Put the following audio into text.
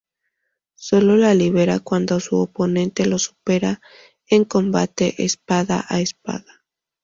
Sólo la libera cuando su oponente lo supera en combate espada a espada.